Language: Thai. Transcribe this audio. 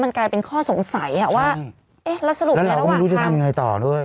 มันกลายเป็นข้อสงสัยอ่ะว่าเอ๊ะแล้วสรุปไหนระหว่างแล้วเราก็ไม่รู้จะทำไงต่อด้วย